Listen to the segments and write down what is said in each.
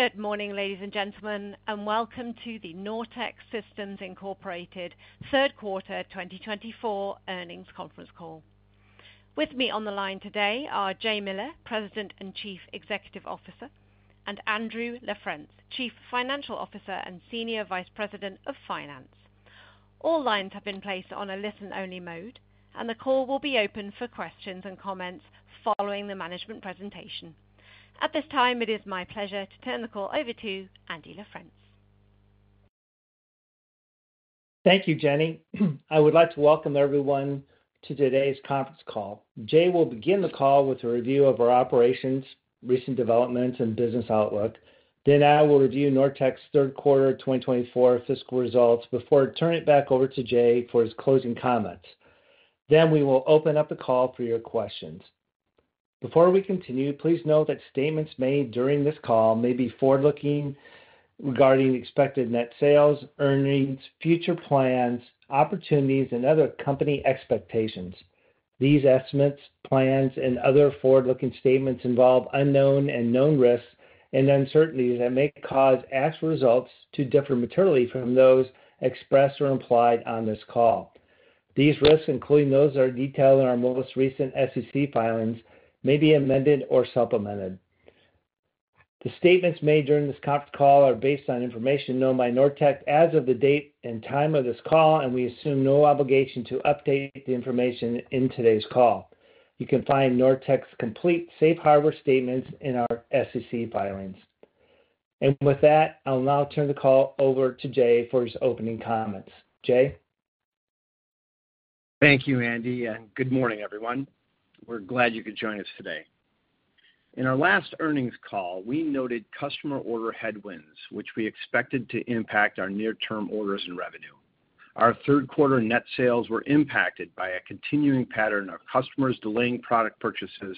Good morning, ladies and gentlemen, and welcome to the Nortech Systems Incorporated Q3 2024 earnings conference call. With me on the line today are Jay Miller, President and Chief Executive Officer, and Andrew LaFrence, Chief Financial Officer and Senior Vice President of Finance. All lines have been placed on a listen-only mode, and the call will be open for questions and comments following the management presentation. At this time, it is my pleasure to turn the call over to Andy LaFrence. Thank you, Jenny. I would like to welcome everyone to today's conference call. Jay will begin the call with a review of our operations, recent developments, and business outlook. Then I will review Nortech's Q3 2024 fiscal results before turning it back over to Jay for his closing comments. Then we will open up the call for your questions. Before we continue, please note that statements made during this call may be forward-looking regarding expected net sales, earnings, future plans, opportunities, and other company expectations. These estimates, plans, and other forward-looking statements involve unknown and known risks and uncertainties that may cause actual results to differ materially from those expressed or implied on this call. These risks, including those that are detailed in our most recent SEC filings, may be amended or supplemented. The statements made during this conference call are based on information known by Nortech as of the date and time of this call, and we assume no obligation to update the information in today's call. You can find Nortech's complete Safe Harbor statements in our SEC filings. And with that, I'll now turn the call over to Jay for his opening comments. Jay? Thank you, Andy, and good morning, everyone. We're glad you could join us today. In our last earnings call, we noted customer order headwinds, which we expected to impact our near-term orders and revenue. Our Q3 net sales were impacted by a continuing pattern of customers delaying product purchases,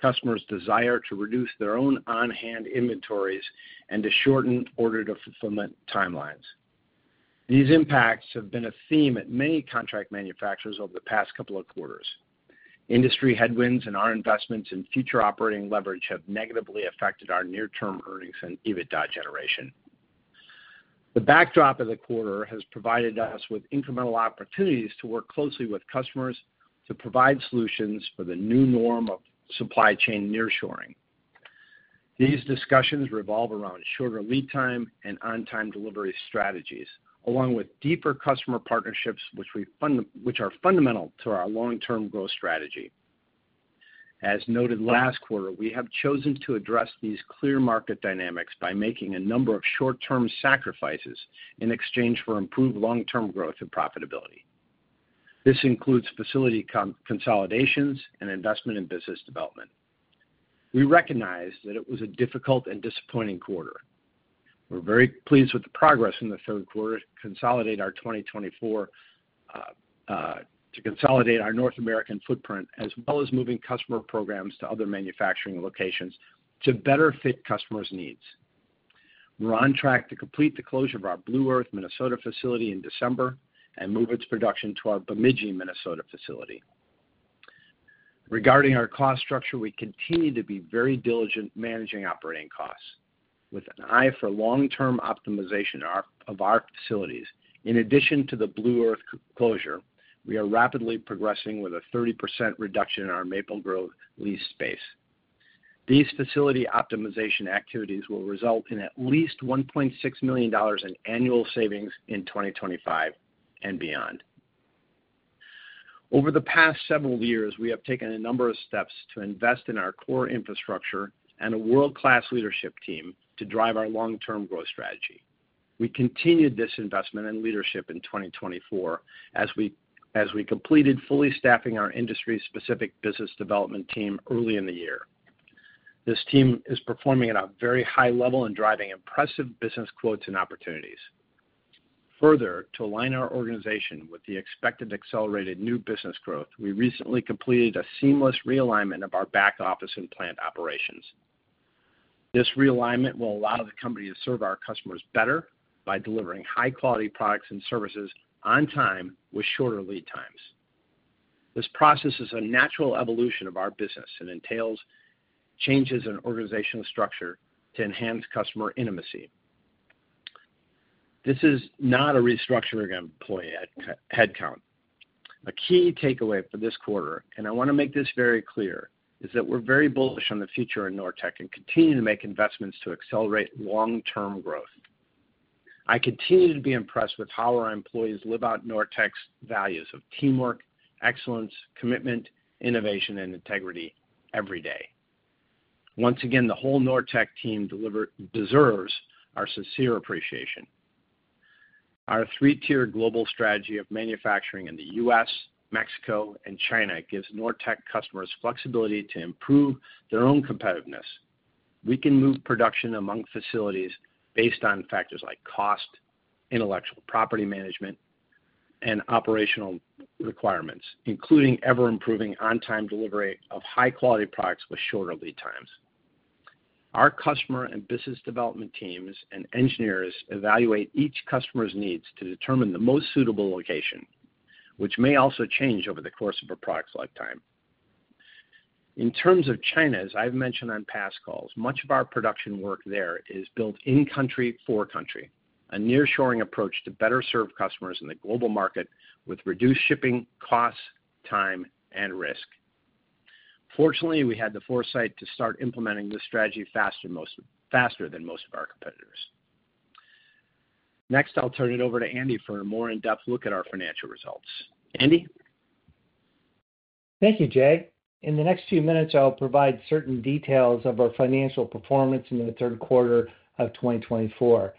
customers' desire to reduce their own on-hand inventories, and to shorten order to fulfillment timelines. These impacts have been a theme at many contract manufacturers over the past couple of quarters. Industry headwinds and our investments in future operating leverage have negatively affected our near-term earnings and EBITDA generation. The backdrop of the quarter has provided us with incremental opportunities to work closely with customers to provide solutions for the new norm of supply chain nearshoring. These discussions revolve around shorter lead time and on-time delivery strategies, along with deeper customer partnerships, which are fundamental to our long-term growth strategy. As noted last quarter, we have chosen to address these clear market dynamics by making a number of short-term sacrifices in exchange for improved long-term growth and profitability. This includes facility consolidations and investment in business development. We recognize that it was a difficult and disappointing quarter. We're very pleased with the progress in the Q3 to consolidate our North American footprint, as well as moving customer programs to other manufacturing locations to better fit customers' needs. We're on track to complete the closure of our Blue Earth, Minnesota, facility in December and move its production to our Bemidji, Minnesota, facility. Regarding our cost structure, we continue to be very diligent managing operating costs. With an eye for long-term optimization of our facilities, in addition to the Blue Earth closure, we are rapidly progressing with a 30% reduction in our Maple Grove lease space. These facility optimization activities will result in at least $1.6 million in annual savings in 2025 and beyond. Over the past several years, we have taken a number of steps to invest in our core infrastructure and a world-class leadership team to drive our long-term growth strategy. We continued this investment and leadership in 2024 as we completed fully staffing our industry-specific business development team early in the year. This team is performing at a very high level and driving impressive business growth and opportunities. Further, to align our organization with the expected accelerated new business growth, we recently completed a seamless realignment of our back office and plant operations. This realignment will allow the company to serve our customers better by delivering high-quality products and services on time with shorter lead times. This process is a natural evolution of our business and entails changes in organizational structure to enhance customer intimacy. This is not a restructuring of employee headcount. A key takeaway for this quarter, and I want to make this very clear, is that we're very bullish on the future of Nortech and continue to make investments to accelerate long-term growth. I continue to be impressed with how our employees live out Nortech's values of teamwork, excellence, commitment, innovation, and integrity every day. Once again, the whole Nortech team deserves our sincere appreciation. Our three-tier global strategy of manufacturing in the U.S., Mexico, and China gives Nortech customers flexibility to improve their own competitiveness. We can move production among facilities based on factors like cost, intellectual property management, and operational requirements, including ever-improving on-time delivery of high-quality products with shorter lead times. Our customer and business development teams and engineers evaluate each customer's needs to determine the most suitable location, which may also change over the course of a product's lifetime. In terms of China, as I've mentioned on past calls, much of our production work there is built in-country for country, a nearshoring approach to better serve customers in the global market with reduced shipping costs, time, and risk. Fortunately, we had the foresight to start implementing this strategy faster than most of our competitors. Next, I'll turn it over to Andy for a more in-depth look at our financial results. Andy? Thank you, Jay. In the next few minutes, I'll provide certain details of our financial performance in the Q3 of 2024.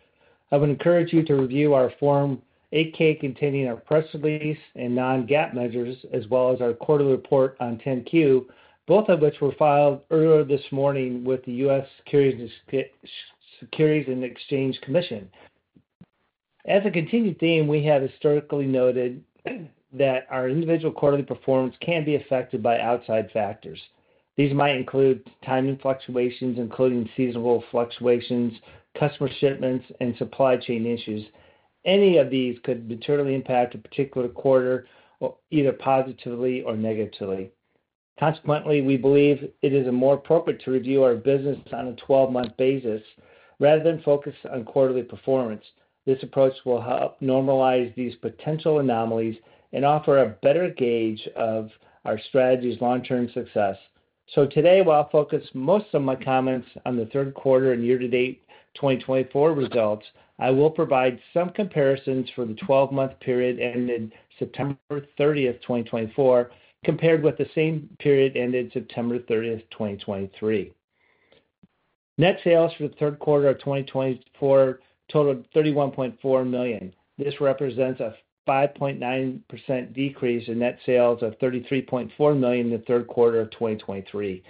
I would encourage you to review our Form 8-K containing our press release and non-GAAP measures, as well as our quarterly report on 10-Q, both of which were filed earlier this morning with the U.S. Securities and Exchange Commission. As a continued theme, we have historically noted that our individual quarterly performance can be affected by outside factors. These might include timing fluctuations, including seasonal fluctuations, customer shipments, and supply chain issues. Any of these could materially impact a particular quarter, either positively or negatively. Consequently, we believe it is more appropriate to review our business on a 12-month basis rather than focus on quarterly performance. This approach will help normalize these potential anomalies and offer a better gauge of our strategy's long-term success. So today, while I'll focus most of my comments on the Q3 and year-to-date 2024 results, I will provide some comparisons for the 12-month period ended September 30, 2024, compared with the same period ended September 30, 2023. Net sales for the Q3 of 2024 totaled $31.4 million. This represents a 5.9% decrease in net sales of $33.4 million in the Q3 of 2023.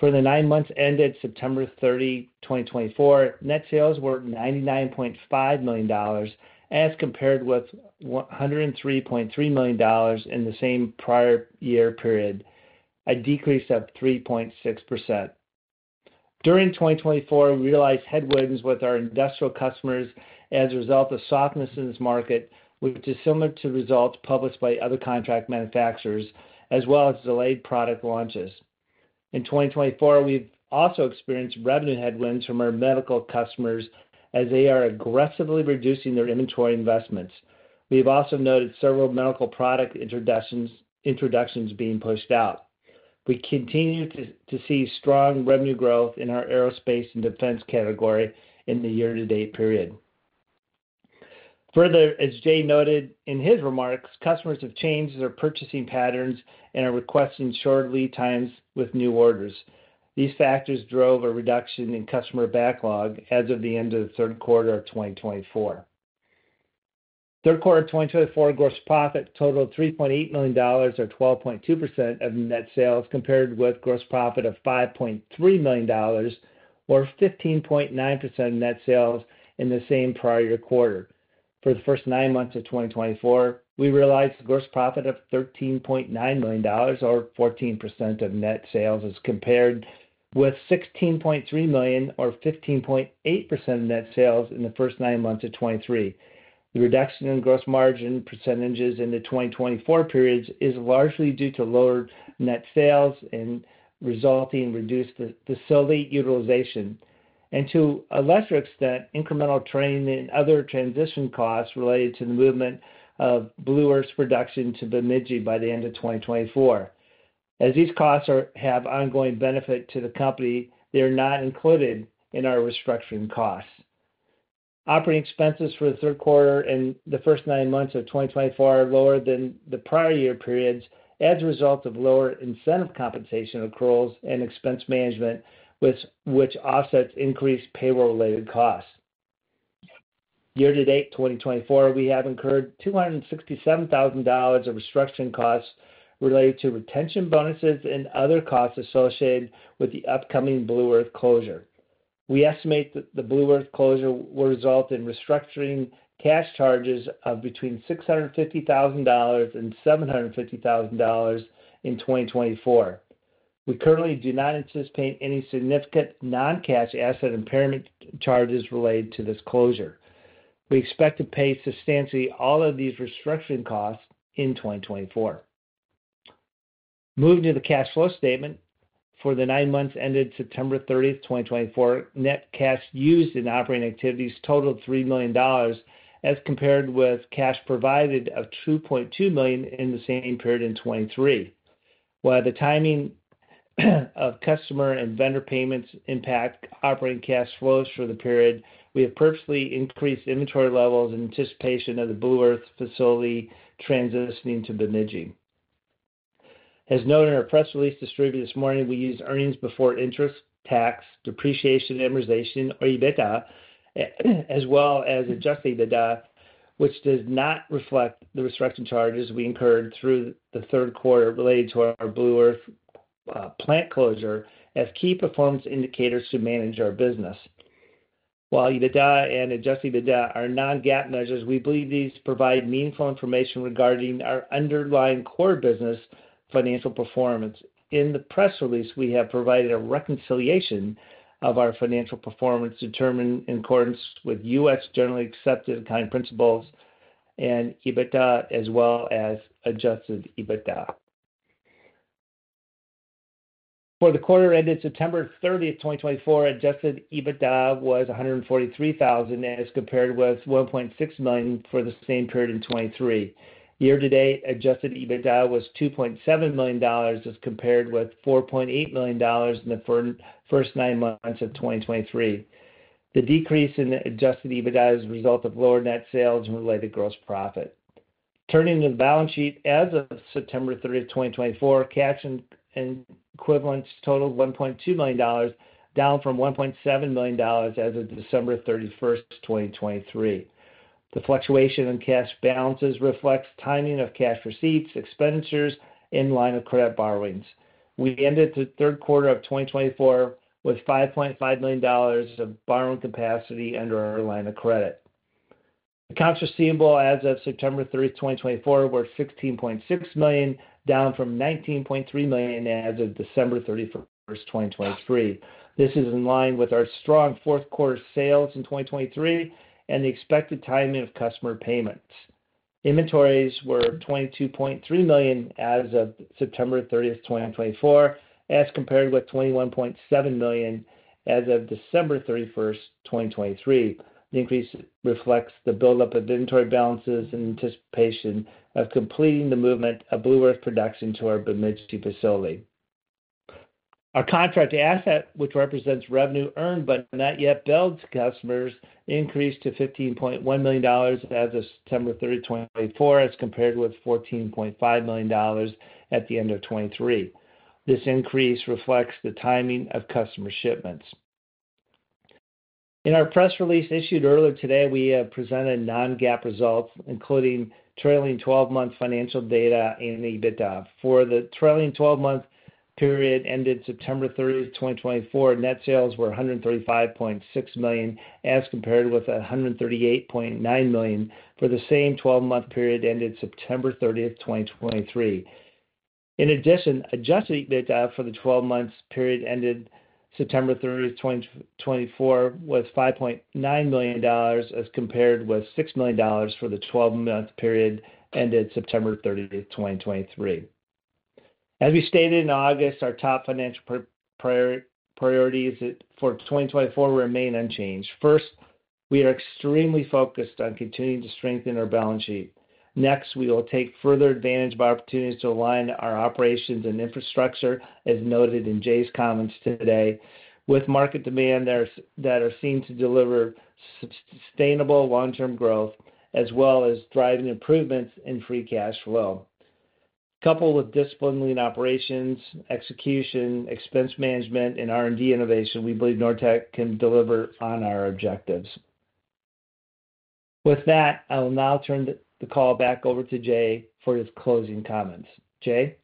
For the nine months ended September 30, 2024, net sales were $99.5 million as compared with $103.3 million in the same prior year period, a decrease of 3.6%. During 2024, we realized headwinds with our industrial customers as a result of softness in this market, which is similar to results published by other contract manufacturers, as well as delayed product launches. In 2024, we've also experienced revenue headwinds from our medical customers as they are aggressively reducing their inventory investments. We have also noted several medical product introductions being pushed out. We continue to see strong revenue growth in our aerospace and defense category in the year-to-date period. Further, as Jay noted in his remarks, customers have changed their purchasing patterns and are requesting shorter lead times with new orders. These factors drove a reduction in customer backlog as of the end of the Q3 of 2024. Q3 of 2024 gross profit totaled $3.8 million, or 12.2% of net sales, compared with gross profit of $5.3 million, or 15.9% of net sales in the same prior quarter. For the first nine months of 2024, we realized gross profit of $13.9 million, or 14% of net sales, as compared with $16.3 million, or 15.8% of net sales in the first nine months of 2023. The reduction in gross margin percentages in the 2024 periods is largely due to lower net sales and resulting reduced facility utilization, and to a lesser extent, incremental training and other transition costs related to the movement of Blue Earth's production to Bemidji by the end of 2024. As these costs have ongoing benefit to the company, they are not included in our restructuring costs. Operating expenses for the Q3 and the first nine months of 2024 are lower than the prior year periods as a result of lower incentive compensation accruals and expense management, which offsets increased payroll-related costs. Year-to-date 2024, we have incurred $267,000 of restructuring costs related to retention bonuses and other costs associated with the upcoming Blue Earth closure. We estimate that the Blue Earth closure will result in restructuring cash charges of between $650,000 and 750,000 in 2024. We currently do not anticipate any significant non-cash asset impairment charges related to this closure. We expect to pay substantially all of these restructuring costs in 2024. Moving to the cash flow statement, for the nine months ended September 30, 2024, net cash used in operating activities totaled $3 million, as compared with cash provided of $2.2 million in the same period in 2023. While the timing of customer and vendor payments impact operating cash flows for the period, we have purposely increased inventory levels in anticipation of the Blue Earth facility transitioning to Bemidji. As noted in our press release distributed this morning, we used earnings before interest, tax, depreciation, amortization, or EBITDA, as well as adjusted EBITDA, which does not reflect the restructuring charges we incurred through the Q3 related to our Blue Earth plant closure as key performance indicators to manage our business. While EBITDA and adjusted EBITDA are non-GAAP measures, we believe these provide meaningful information regarding our underlying core business financial performance. In the press release, we have provided a reconciliation of our financial performance determined in accordance with U.S. generally accepted accounting principles and EBITDA, as well as adjusted EBITDA. For the quarter ended September 30, 2024, adjusted EBITDA was $143,000 as compared with $1.6 million for the same period in 2023. Year-to-date adjusted EBITDA was $2.7 million as compared with $4.8 million in the first nine months of 2023. The decrease in adjusted EBITDA is a result of lower net sales and related gross profit. Turning to the balance sheet as of September 30, 2024, cash and equivalents totaled $1.2 million, down from $1.7 million as of December 31, 2023. The fluctuation in cash balances reflects timing of cash receipts, expenditures, and line of credit borrowings. We ended the Q3 of 2024 with $5.5 million of borrowing capacity under our line of credit. Accounts receivable as of September 30, 2024, were $16.6 million, down from $19.3 million as of December 31, 2023. This is in line with our strong Q4 sales in 2023 and the expected timing of customer payments. Inventories were $22.3 million as of September 30, 2024, as compared with $21.7 million as of December 31, 2023. The increase reflects the buildup of inventory balances in anticipation of completing the movement of Blue Earth production to our Bemidji facility. Our contract asset, which represents revenue earned but not yet billed to customers, increased to $15.1 million as of September 30, 2024, as compared with $14.5 million at the end of 2023. This increase reflects the timing of customer shipments. In our press release issued earlier today, we have presented non-GAAP results, including trailing 12-month financial data and EBITDA. For the trailing 12-month period ended September 30, 2024, net sales were $135.6 million, as compared with $138.9 million for the same 12-month period ended September 30, 2023. In addition, adjusted EBITDA for the 12-month period ended September 30, 2024, was $5.9 million as compared with $6 million for the 12-month period ended September 30, 2023. As we stated in August, our top financial priorities for 2024 remain unchanged. First, we are extremely focused on continuing to strengthen our balance sheet. Next, we will take further advantage of our opportunities to align our operations and infrastructure, as noted in Jay's comments today, with market demand that are seen to deliver sustainable long-term growth, as well as driving improvements in free cash flow. Coupled with disciplined operations, execution, expense management, and R&D innovation, we believe Nortech can deliver on our objectives. With that, I will now turn the call back over to Jay for his closing comments. Jay?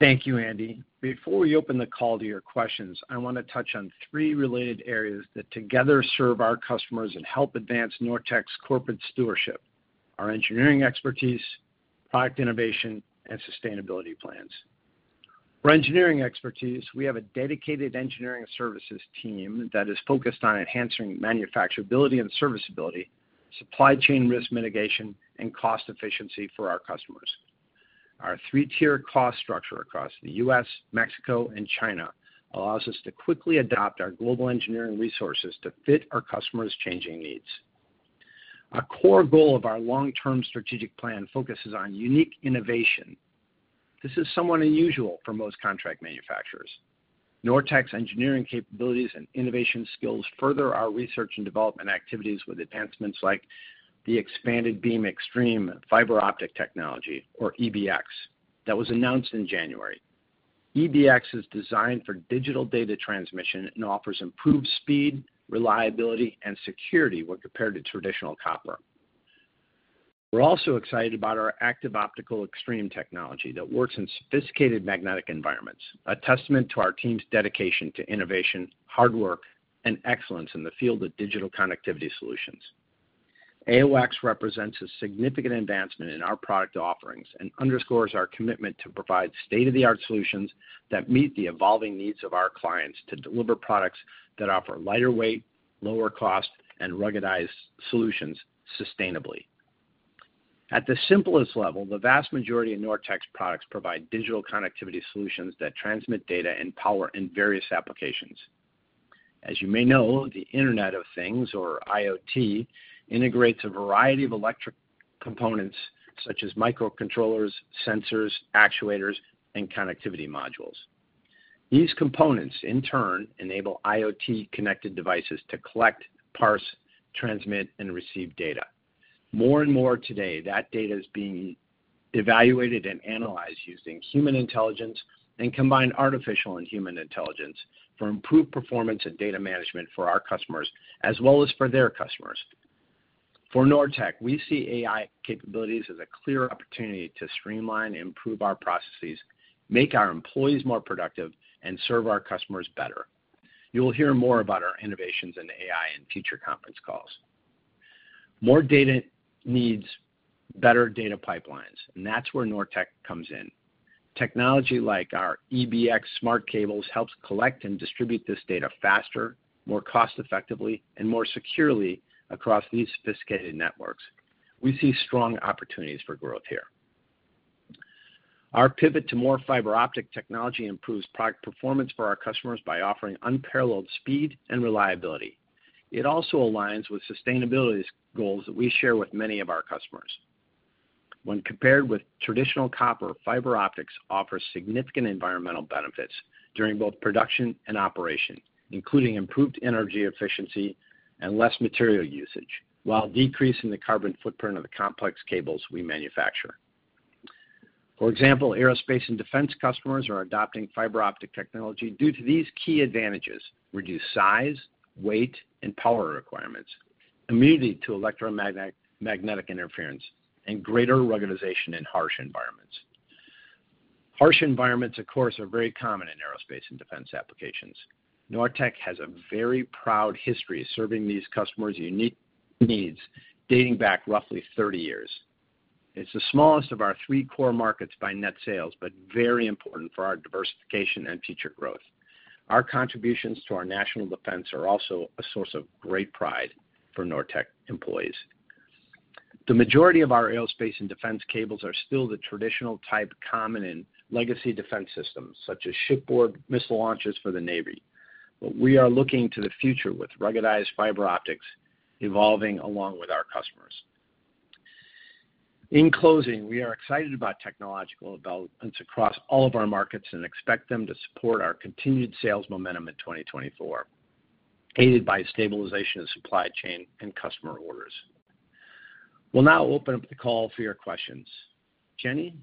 Thank you, Andy. Before we open the call to your questions, I want to touch on three related areas that together serve our customers and help advance Nortech's corporate stewardship: our engineering expertise, product innovation, and sustainability plans. For engineering expertise, we have a dedicated engineering services team that is focused on enhancing manufacturability and serviceability, supply chain risk mitigation, and cost efficiency for our customers. Our three-tier cost structure across the U.S., Mexico, and China allows us to quickly adopt our global engineering resources to fit our customers' changing needs. A core goal of our long-term strategic plan focuses on unique innovation. This is somewhat unusual for most contract manufacturers. Nortech's engineering capabilities and innovation skills further our research and development activities with advancements like the Expanded Beam Xtreme fiber optic technology, or EBX, that was announced in January. EBX is designed for digital data transmission and offers improved speed, reliability, and security when compared to traditional copper. We're also excited about our Active Optical Xtreme technology that works in sophisticated magnetic environments, a testament to our team's dedication to innovation, hard work, and excellence in the field of digital connectivity solutions. AOX represents a significant advancement in our product offerings and underscores our commitment to provide state-of-the-art solutions that meet the evolving needs of our clients to deliver products that offer lighter weight, lower cost, and ruggedized solutions sustainably. At the simplest level, the vast majority of Nortech's products provide digital connectivity solutions that transmit data and power in various applications. As you may know, the Internet of Things, or IoT, integrates a variety of electric components such as microcontrollers, sensors, actuators, and connectivity modules. These components, in turn, enable IoT-connected devices to collect, parse, transmit, and receive data. More and more today, that data is being evaluated and analyzed using human intelligence and combined artificial and human intelligence for improved performance and data management for our customers, as well as for their customers. For Nortech, we see AI capabilities as a clear opportunity to streamline and improve our processes, make our employees more productive, and serve our customers better. You will hear more about our innovations in AI in future conference calls. More data needs better data pipelines, and that's where Nortech comes in. Technology like our EBX smart cables helps collect and distribute this data faster, more cost-effectively, and more securely across these sophisticated networks. We see strong opportunities for growth here. Our pivot to more fiber optic technology improves product performance for our customers by offering unparalleled speed and reliability. It also aligns with sustainability goals that we share with many of our customers. When compared with traditional copper, fiber optics offers significant environmental benefits during both production and operation, including improved energy efficiency and less material usage, while decreasing the carbon footprint of the complex cables we manufacture. For example, aerospace and defense customers are adopting fiber optic technology due to these key advantages: reduced size, weight, and power requirements, immunity to electromagnetic interference, and greater ruggedization in harsh environments. Harsh environments, of course, are very common in aerospace and defense applications. Nortech has a very proud history of serving these customers' unique needs dating back roughly 30 years. It's the smallest of our three core markets by net sales, but very important for our diversification and future growth. Our contributions to our national defense are also a source of great pride for Nortech employees. The majority of our aerospace and defense cables are still the traditional type common in legacy defense systems, such as shipboard missile launchers for the Navy. But we are looking to the future with ruggedized fiber optics evolving along with our customers. In closing, we are excited about technological developments across all of our markets and expect them to support our continued sales momentum in 2024, aided by stabilization of supply chain and customer orders. We'll now open up the call for your questions. Jenny,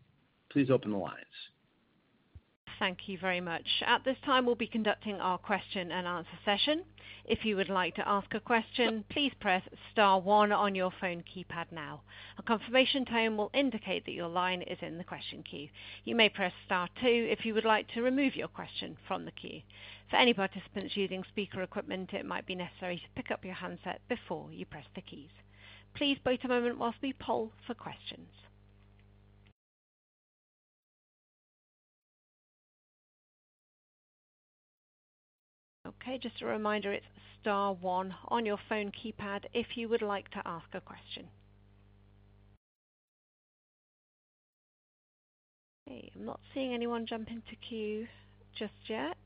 please open the lines. Thank you very much. At this time, we'll be conducting our question and answer session. If you would like to ask a question, please press Star one on your phone keypad now. A confirmation tone will indicate that your line is in the question queue. You may press Star two if you would like to remove your question from the queue. For any participants using speaker equipment, it might be necessary to pick up your handset before you press the keys. Please wait a moment while we poll for questions. Okay, just a reminder, it's Star one on your phone keypad if you would like to ask a question. Okay, I'm not seeing anyone jump into queue just yet.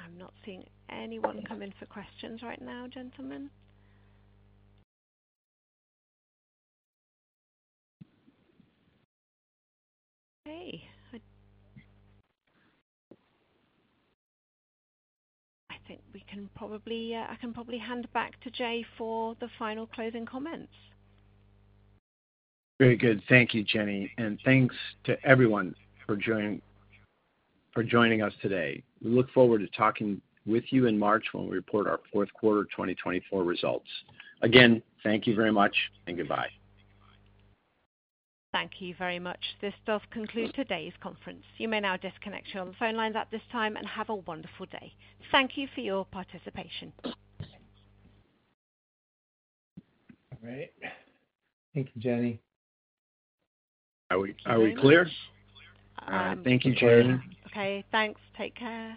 I'm not seeing anyone come in for questions right now, gentlemen. Okay. I think we can probably, I can probably hand back to Jay for the final closing comments. Very good. Thank you, Jenny. And thanks to everyone for joining us today. We look forward to talking with you in March when we report our Q4 2024 results. Again, thank you very much and goodbye. Thank you very much. This does conclude today's conference. You may now disconnect your phone lines at this time and have a wonderful day. Thank you for your participation. All right. Thank you, Jenny. Are we clear? Thank you, Jenny. Okay, thanks. Take care.